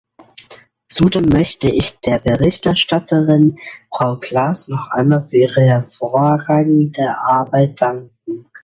Zudem möchte ich der Berichterstatterin, Frau Klass, noch einmal für ihre hervorragende Arbeit danken.